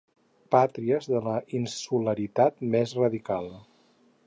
Pàtries de la insularitat més radical.